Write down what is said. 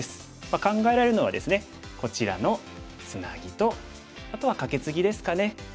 考えられるのはですねこちらのツナギとあとはカケツギですかね。